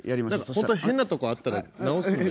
本当変なとこあったら直すんで。